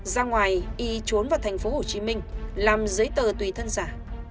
ra ngoài y trốn vào thành phố hồ chí minh làm giấy tờ tùy thân giả